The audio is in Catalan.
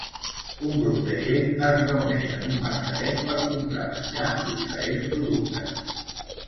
Un grup de gent es reuneix en un mercadet per comprar menjar i diferents productes.